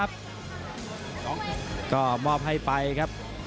เจ้าก็มอบให้ไปนะครับ